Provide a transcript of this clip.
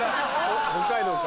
北海道か。